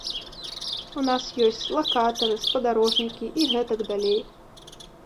У нас ёсць лакатары, спадарожнікі і гэтак далей.